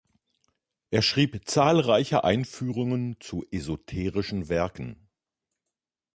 Er schrieb zahlreiche Einführungen zu esoterischen Werken.